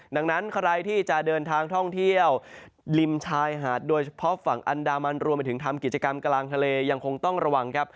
ดังนั้นใครที่จะเดินทางท่องเที่ยวริมชายหาดโดยเฉพาะฝั่งอันดามันรวมไปถึงทำกิจกรรมกลางทะเลยังคงต้องระวังครับ